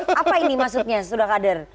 apa ini maksudnya sudah kader